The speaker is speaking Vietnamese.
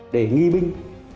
để nghi binh